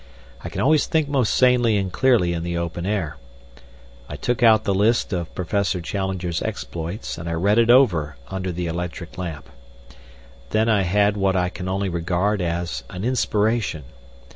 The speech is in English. I can always think most sanely and clearly in the open air. I took out the list of Professor Challenger's exploits, and I read it over under the electric lamp. Then I had what I can only regard as an inspiration.